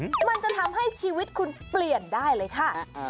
แบบจะสีเกา